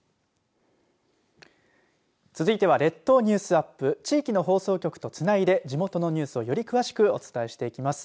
続いては列島ニュースアップ地域の放送局とつないで地元のニュースをより詳しくお伝えしていきます。